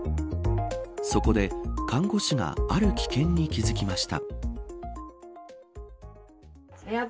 そこで看護師がある危険に気付きました。